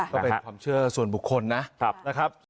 ก็เป็นความเชื่อส่วนบุคคลนะครับ